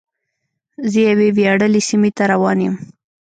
زه یوې ویاړلې سیمې ته روان یم.